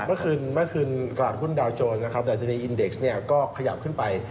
เมื่อคืนตลาดหุ้นดาวโจรแต่ในอินเด็กซ์ก็ขยับขึ้นไป